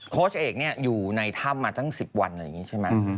โคชเอกอยู่ในถ้ำมาตั้ง๑๐วันเช่นแบบนี้ใช่ไหม